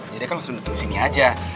jadi kan langsung dateng kesini aja